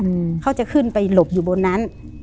อืมเขาจะขึ้นไปหลบอยู่บนนั้น